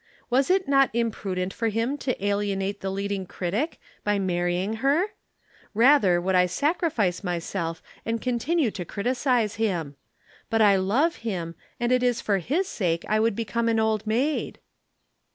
Was it not imprudent for him to alienate the leading critic by marrying her? Rather would I sacrifice myself and continue to criticise him. But I love him, and it is for his sake I would become an Old Maid."